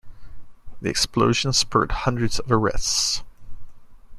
The explosions spurred hundreds of arrests.